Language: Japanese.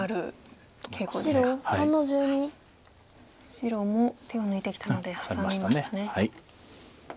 白も手を抜いてきたのでハサみましたね。